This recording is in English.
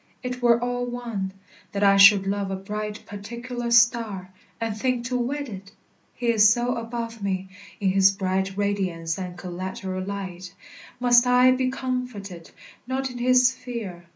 It were all one, That I should love a bright particular star, And think to wed it, he is so above me: In his bright radiance and collateral light Must I be comforted, not in his sphere.